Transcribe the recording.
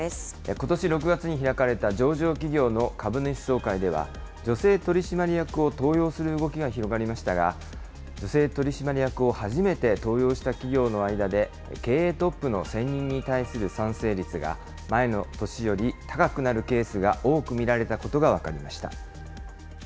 ことし６月に開かれた上場企業の株主総会では、女性取締役を登用する動きが広がりましたが、女性取締役を初めて登用した企業の間で、経営トップの選任に対する賛成率が、前の年より高くなるケースが多く見られたことが分かりました。